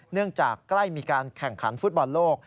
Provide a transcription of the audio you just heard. เนื่องจากใกล้มีการแข่งขันฟุตบอลโลก